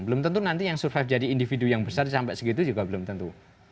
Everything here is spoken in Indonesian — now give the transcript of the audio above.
belum tentu nanti yang survive jadi individu yang besar sampai segitu juga belum tentu